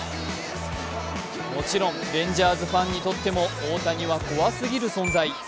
もちろんレンジャーズファンにとっても大谷は怖すぎる存在。